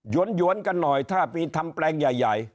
วนกันหน่อยถ้าไปทำแปลงใหญ่